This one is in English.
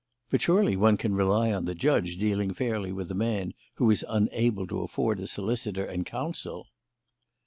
"But surely one can rely on the judge dealing fairly with a man who is unable to afford a solicitor and counsel?"